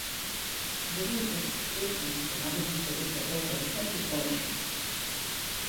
During its existence the magazine produced a total of twenty-four issues.